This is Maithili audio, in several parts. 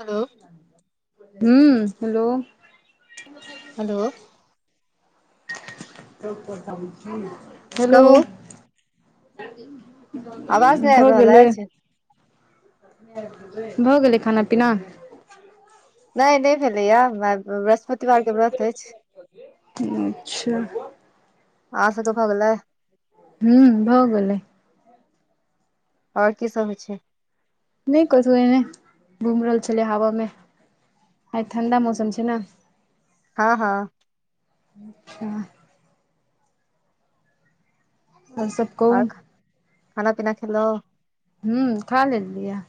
हेलो हूंम्म हेलो हेलो त करता छै ने [unintelligible] हेलो कहू आवाज नहि भऽ आबि रहल गेलै अछि भऽ गेलै खाना पीना नहि नहि भेलैये [unintelligible] अच्छा आहाँ सबके भऽ गेलै हूंम्म भऽ गेले और की सभ होइ छै नइ कथु एहिनै [unintelligible] घुम रहल छलै हवा मे आइ ठण्डा मौसम छै ने हँ हँ अच्छा और सब आ कहू खाना पीना खेलउ हूंम्म खा लेलिये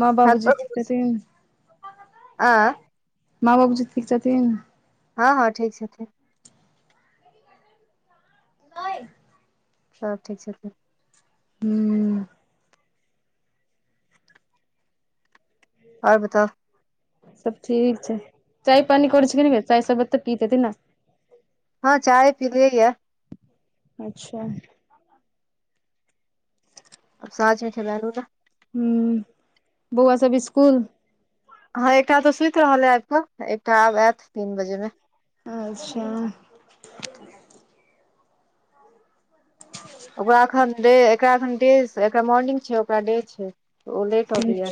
माँ बाबू छत जी पर ठीक छथिन आ माँ बाबू जी ठीक छथिन हँ हँ ठीक छथिन नहि [unintelligible] सब ठीक छथिन हूंम्म और बताओ सब ठीक छै चाय पानी कर छै कि नेै चाय सरबते पीयैत हेती ने हँ चाय पीलियेै ये अच्छा साझमेठे बलू [unintelligible] हूंम्म बौआ सब इसकुल हँ एकटा तऽ सुति रहल है आबि कऽ एकटा आब आयत तीन बजे मे अच्छा ओकरा एखन डे एकरा एखन डे एकरा मॉर्निंग छै ओकरा डे छै ओ लेट अबैया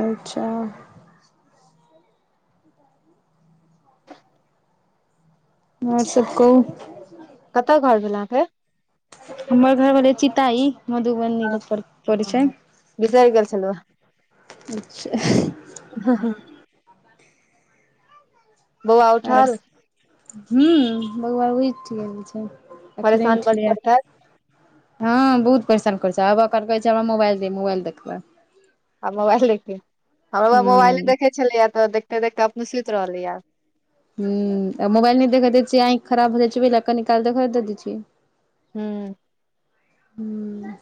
अच्छा ओर सब कहूँ कतऽ घर भेल अहाँके हमर घर भेलै चीताइ मधुबनी लग परे छै। बिसरि गेल छलहुँ हँ, हँ। बौआ आर उठल। हूँ, बौआ उठ गेल छै, अखनी परेशान बड उठले य। करतैथ हँ, बहुत परेशान करै छब आब अखन कहलकै हमराइल दे मोबाइल देखबै। आ मोबाइल देखी हमरो बुआ मोबाइले हूँ देखैत छलैए तऽ देखिते देखिते अपने सुति रहलैए। हु, आ मोबाइल नै देख दे छियै आंखि खराब हो जाइ छैहि कऽ निकालै छियै। हूँ। हूँ।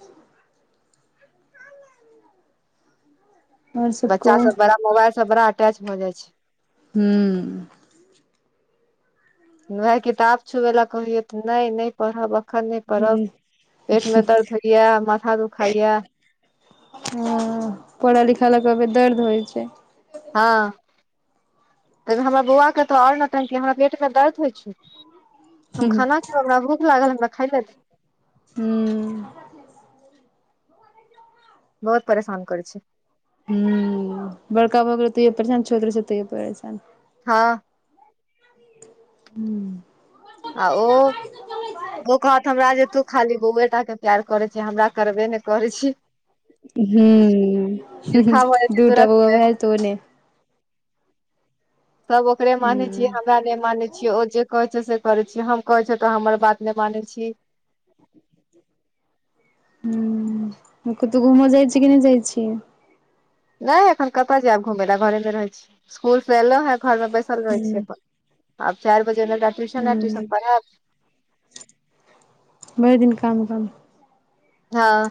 आओर सब बच्चा कहू सभ बड़ा मोबाइल पर बड़ा अटैच भऽ जाइ छै। हूँ। वहए किताब छुबै लऽ कहिय त नइ नइ। पढ़ब अखन नहि हँ पढ़ब पेटमे दर्द होइए माथा दुखाए। हैं, पढ़ा लिखा लए कहबै दर्द होइ छै। हँ। त हमरा बौआके त ओर नौटंकी हमरा पेटमें दर्द होइ छै। हम खाना खैबे हमरा भूख लागल हमरा खाय ले दे। हूँ। बहुत परेशान करे छै। हूँ बड़का भऽ गेलै तैओ परेशान छोट रह छै तैओ परेशान। हँ। हू। आ, ओ कहत हमरा जे तो खाली बौएटाके प्यार करे छी हमरा करबे ने करै छै। हूँ, ईर्षा भऽ जाइ हू छै दूटा तुरत बौआ मे भाय जेतो ओने। सभ ओकरे माने छै, हूं हमरा नहि माने छै। छियो जे कहै छै, से करै छी हम कहै छै, तो हमर बातने मानै छै। हूँ, कतौ घूमऽ जाइ छै कि नइ जाइ छै। नहि एखन कतय जायब घुमय लए घरेमे रह छै स्कल से एलो हे घरमे बैस। रहै हूं छियै अपन आब चार बजे ट्यूशन हूं ट्यूशन पढ़ाएब भरि दिन काम करू। हँ।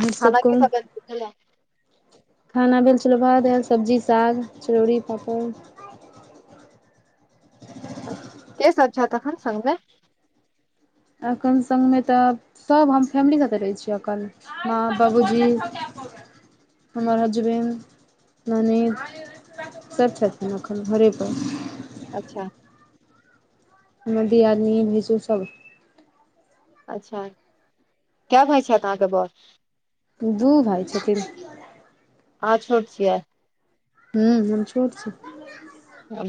आर सब खाना की कहु सभ [unintelligible] सुझ ल खाना भेल छलै भात दालि सब्जी साग चरौड़ी पापड़। अच्छा, के सभ छै तखन संगमे एखन संगमे तऽ आब। सभ हम फैमिली लेके रहै छिये, अखन माँ बाबूजी। हमर हसबैणड ननीत। सभ छथिन एखन घरे पर। अच्छा। हमर दियादिनी भैंसूर सभ। अच्छा, क्य भइ छै, अहाँकेँ बर दू भाइ छथिन। अहाँ छोट छियै? हू हम छोड़ छै।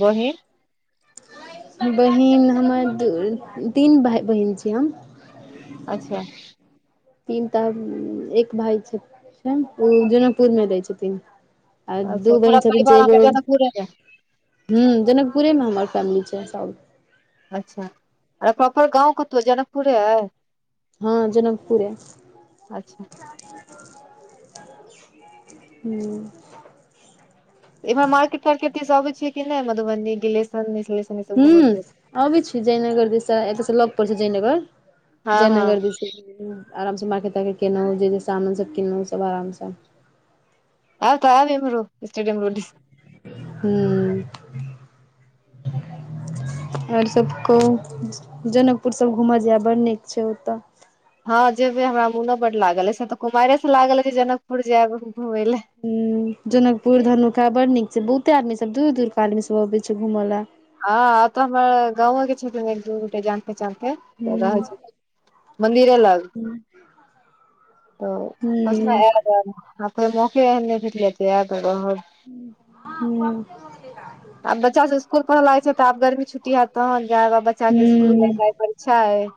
बहिन। बहिन हमर तीन भाइ बहिन छै हम अच्छा। तीन तऽ एक भाय छै, ओ जनकपुरमे दै छथिन। आ अच्छा दू पूरा बहिन छथिन परिवार से अहाँके एगो। जनकपुरे मे हू जनकपुरेमे हमर फैमिली छै सब अच्छा अर प्रॉपर गाँव कतौ जनकपुरे आए हँ जनकपुरे अच्छा हू इमहर मार्केट तार्केट दिस अबय छिय कि नहि मधुबनी गिलेशन दिस ह अबै छी जयनगर दिसा एतयसँ लग पड़ छै जयनगर हँ हँ जयनगर दिस आरामसँ मारके तारकेट केनौ जे सामान सब किनलहुँ सब आरामसँ आब तऽबी इमरो स्टेडियम रोडी हू आओर सभ कहू जनकपुरसभ घूमय जायब बड़ नीक छै ओतय हँ जेबै हमरा मोनो बड्ड लागल अइ से तऽ कुमाइरे स लागल अइ जे जनकपुर जायब घुमय लए ह जनकपुर धनुखा बड नीक छै बहुते आदमी सब दूर दूर के आदमी सब अबे छै घूमय लए हँ आब तऽ हमर गावेके छिन एक दु गोटे जान पेहचान के रहल हूँ छै मन्दिरे लग त कहै छ हूँ नहि अपे मकि एने जेत ल त आ कर [unintelligible] हँ [inaudible] आब बच्चा सब ईस्कुल लागै छै त आब गर्मी छुटी हयत तह नजाय बच्चा के हूँ ईस्कूल अच्छा अइ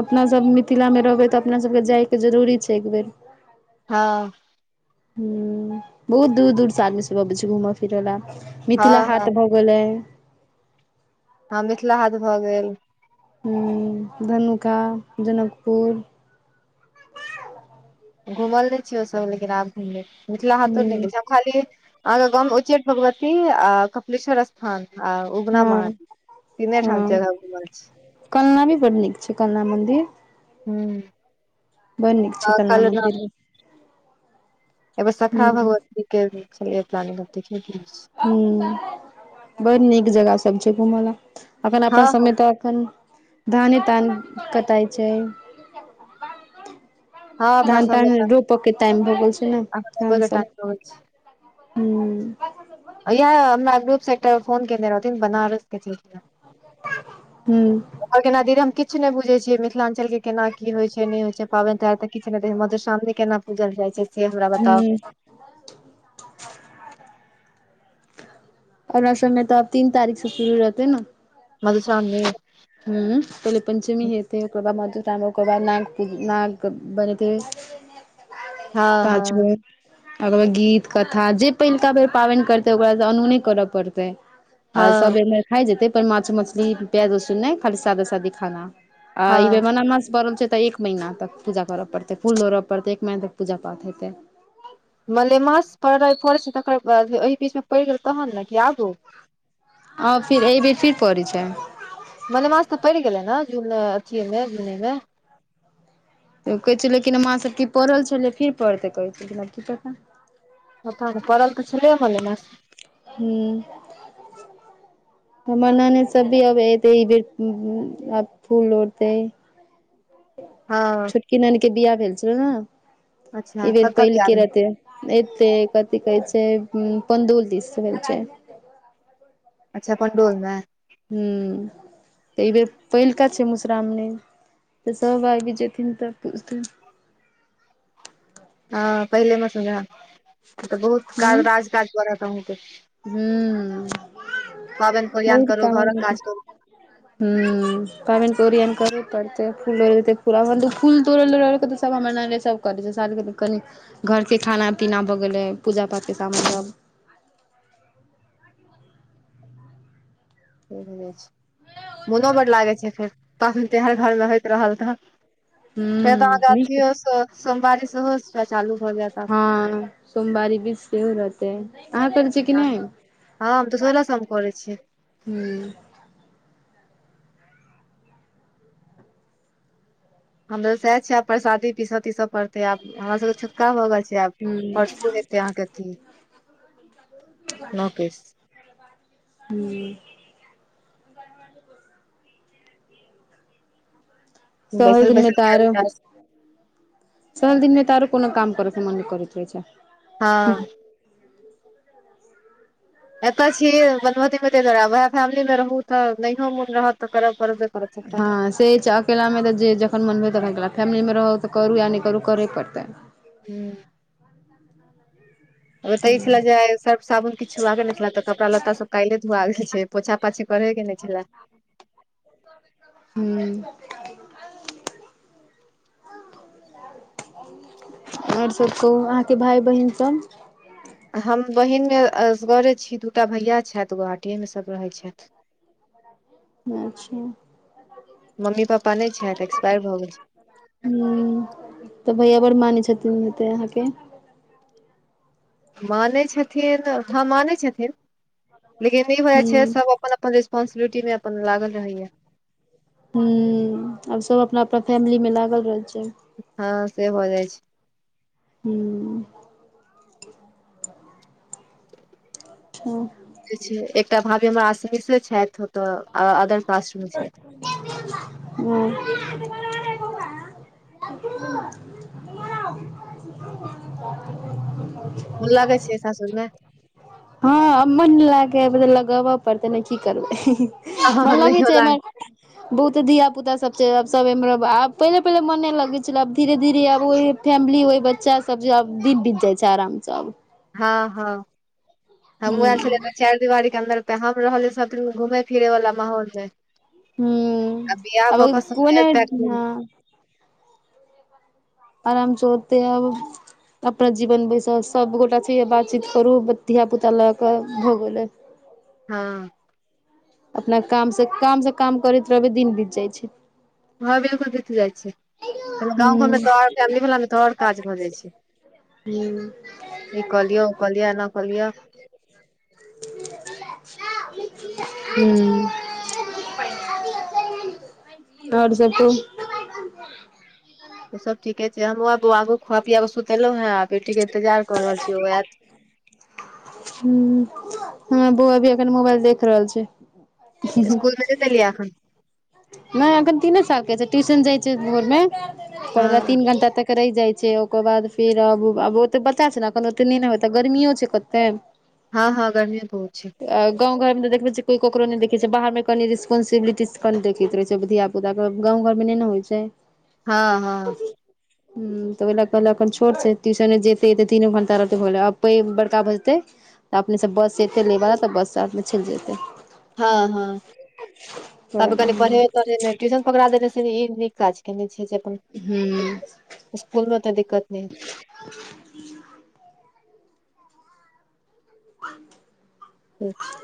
अपनासभ मिथिलामे रहबै तऽ अपनासभके जायके जरूरी छै एक बेर हँ ह बहुत दूर दूर स आदमी सब अबै छै घूमऽ फिरय ला मिथिला हँ हँ हाट भ बलै हँ मिथिला हात भऽ गेल धनुका जनकपुर घुमल नहि छीय ओसभ लेकिन आब घुम ले मिथिला हाथो नहि हूँ गेल छी हम खाली अहाँके गाँवमे उच्चैठ भगवती की कपिलेश्वर स्थान आ उगना हँ महादेव हँ घुमलहुँ? कलना भी बड नीक छै कलना मन्दिर हँ बन नीक छै कलना मन्दिर एयिबेर सखा भगवती के छल ह बड़ नीक जगह सब छै घूमै ल अपन हँ अपना सबमे तऽ कन धाने तान कताइ छै हँ अपना धान तान रोपाय के ताइम भऽ गेल छै ने सबमे धान के सब टाइम होइ छै। ह इहे हमरा ग्रुप से एकटार फोन केने रहथिन बनारस के छै हू आओर केना दीदी हम किछ नहि बुझै छियै मिथिलाञ्चलके केना की होइ छै नहि होइ छै पाबनि त्यहार तऽ किछु नहि दे मधुश्रावणी केना पूजल जाइ छै से हमरा बताउ हुं ओरना समय तऽ आब तीन तारीख से शुरू रहतै ने मधुश्रमणि ह पहिले पञ्चमी हेथे ओकर बाद मधुश्रावणी ओकर बाद नाग पू नाग बनतै हँ हँ पाँच बेर भगवत गीत कथा जे पहिलुका बेर पाबनि करतै ओकरा त अनुने कर पड़तै आ सब हँ एहर खाय जेतै पर माछ मछली प्याज लसुहन नहि खाली सादा सादी खाना आ ई हँ बेर मलेमास पड़ल छैे त एक महिना तक पूजा करऽ पड़तै फूल लोढ़ऽ पड़तै एक महिना तक पूजा पाठ हेतै मलेमास पड़ पड़ै छै तकर बाद एहि बीचमे पड़ि गेल तहन ने कि आगू हँ फिर एहिबेर की पड़ैत छै मलेमास तऽ पड़ि गेले ने जुने अथिये मे जूने मे कहै छै लेकिन माँसभ की पड़ल छलै फेर पढ़तै कहैत छलिन की पता परल तऽ छलैये मलेमास हूंम्म हमर ननदि सब भी एतै आब एते ई बेर आब फूल लोढ़तै हँ किरन के बियाह भेल छलो ने अच्छा ई बेर कतऽ बियाह पहिलके भेल रहते एतै कथी कहै छै पंडौल दिस होयल छै अच्छा पण्डोलमे हूंम्म तऽ एहि बेर पहिलका छै मुश्रावणी तऽ सभ आबी जेथिन तऽ पुथिन हँ पहिले मे समझा ककरो क हूँ राज काज पड़त कह हूँ पाबनि कल्यण करू घरक काज करू ह हॅं पाबनि के ओरियान करू तहन त फूल लोढ़ैके प्रबंध हॅं फूल तौड़ै लऽ लोढ़ि लैतै सब हमर ननदि सब करै छै शादी कनि घरके खाना पीना भऽ गेलै पूजा पाठके समानमे सब तेहने छै मोनो बड्ड लागै छै फेर पाबनि त्योहार घरमे होइत रहल तऽ फेर तऽ हूँ अहाँके नीक अथियो सोमवारी सेहो चालू भऽ जायत आब हँ सोमवारी बीच सेहो रहतै अहाँ करय छियै कि नहि हँ हम तऽ सोलह सो मे करै छियै हूंम्म हमरो सएह छै आब परसादी पीस तीस पड़ते आब हमरा सबके छुतका भऽ गेल छै आब हूं परसू तै अहाँके अथी नौ केस हूंम्म [unintelligible] सहल बैसल दिनमे बैसल तऽ के आब आरो काज। सहल दिनमे तारो कोनो काम करै मन नहि करैत रहे छै हँ एतऽ छियै बनवती मे त वएह फैमिली मे रहू तऽ नहियो मोन रहत तऽ करऽ पड़बे करत सबटा हँ से छै अकेलामे तऽ जे जखन मन भेलै तखन केलौं फैमिलीमे रहू तऽ करू या नहि करू करय पड़तै हूंम्म तऽ ई छलै जे सर्फ-साबुन किछुओ नहि छलै। तऽ कपड़ा-लत्ता सभ काल्हिये धोआ गेल छलै। पोछा पाछी करहे कि नहि छला हूंम्म आओर सभ कहू अहाँके भाय बहिनसभ हम बहिनमे असगरे छी दू टा भैया छथि गुहाटीएमे सभ रहैत छथि अच्छा मम्मी पपा नहि छै तऽ एक्सपायर भऽ गेल छै हूंम्म तऽ भैया बड़ मानै छथिन हेतै अहाँके मानै छथिन हँ मानै छथिन लेकिन ई हो छै हूं सभ अपन अपन रिस्पोसिबिलिट मे अपन लागल रहैयै हूंम्म आब सब अपना अपना फैमिली मे लागल रहै छै हँ से भऽ जाइ छै हूंम्म [unintelligible] जे छै एकटा भाभी हमर आसमेसे छथि ओतऽ अदर कास्टमे छथि ओ [unintelligible] मोन लागै छै सासुर मे हँ मन लागेऽ लगाबऽ पड़तै ने की करबै ह नहियोलाल [unintelligible] [unintelligible] बहुते धिया पुता सब छैब सब आब पहिले पहिले मन लगै छल आब धीरे धीरे आब ओ फैमिली ओहि बच्चा सब जे अब दीप बीत जाइ छै आराम से आब हँ, हँ हूँ हमूँ आयल छल चारि दिवारीके अन्दर। त हम रहले सभ दिन घूमेए फिरे वाला माहौल मे। हूँ आ विहाय आब भकऽ संग कोने हेतय खूब हँ आ हम सोते अब। अपना जीवन बैसल सभगोटा छै, बातचीत करू धियापुता लऽ कऽ भऽ गेलै। हँ। अपना कामसँ कामसँ काम करैत रहबै दिन बीत जाइत छै। हँ, बिल्कूल तथि जाइ छै। त गाम घर हूँ ममे त ओर फैमिली वलामे तो और काज भऽ जाइ छै। हू। ई कलिय ओ कलिय एना कलिय। [inaudible] हूँ। और सभ कहु। ह। त सभ ठीके छै, हमहँ आब आगू खुआ पिया सुतेलहुँ हें आ बेटीके इन्तजार क्स रहल छीययत ह, हमर बौ अभी अखन मोबाइल देख रहल छै। स्कूलमें नय धेलिय आखन। नहि एखन तीने साल के छै, ट्यूशन जाय छै, भोर मे हँ पल तीन घंटा तक। रहि जाइ छै, ओकर बाद फेर अब आब ओतऽ पता छै, ने एखन ओते नहि ने हो तऽ गर्मियो छै, कते हँ, हँ गर्मी बहुत छै। गाम घरमे त देखब छियै कोई ककरो नहि देखे छै, बाहर मे कनी रिस्पोंसिबिलिटी। कल देखैत रहै छै, धियपुता गाव घरमे नहि ने होइ ह हँ हँ तऽ ओहि लए कहले एन छोट छै, ट्यूशने जेतै तीनो घंटा रहतै आब पैघ बड़का भजतै। तऽ अपनेसभस एतै लैवला तऽ बससँ आरमे चलि जेतै हँ, हँ, तब कनि पढ़ेब तढ़े मे ट्यूशन पकड़ा देने से ई नीक काज। केने छै जे अपन हूँ स्कूल मेऽ दिक्कत नहि हेतै। [unintelligible] अच्छा।